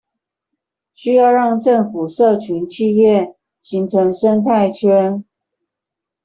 需要讓政府、社群、企業形成生態圈